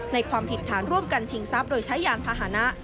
ความผิดฐานร่วมกันชิงทรัพย์โดยใช้ยานพาหนะ